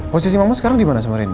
posisi mama sekarang dimana sama randy